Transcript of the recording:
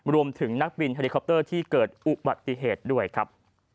รวมถึงนักบินเฮลิคอปเตอร์ที่เกิดอุบัติเหตุด้วยครับ